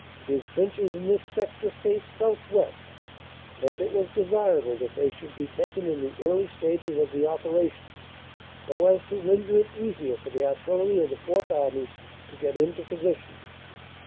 His trenches in this sector faced southwest, and it was desirable that they should be taken in the early stages of the operation, so as to render it easier for the artillery of the Fourth Army to get into position.